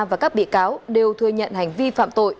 và các bị cáo đều thừa nhận hành vi phạm tội